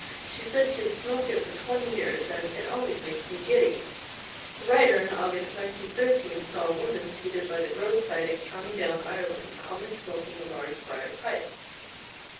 She said she had smoked it for twenty years, and "it always makes me giddy!" The writer, in August 1913, saw a woman seated by the roadside in County Down, Ireland, calmly smoking a large briar pipe.